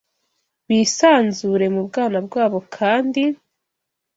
bisanzure mu bwana bwabo kandi